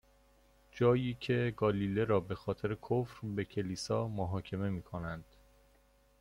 جایی که گالیله را به خاطر کفر به کلیسا، محاکمه می کنند.